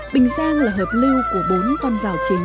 bình giang là hợp lưu của bốn con rào chính